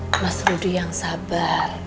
mas rudy yang sabar